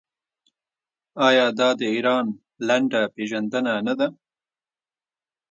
آیا دا د ایران لنډه پیژندنه نه ده؟